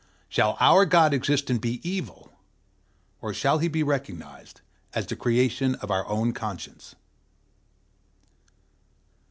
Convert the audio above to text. Shall our God exist and be evil, or shall he be recognized as the creation of our own conscience?